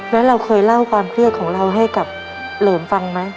แล้วเราเคยเล่าความเครียดของเราให้กับเหลิมฟังไหม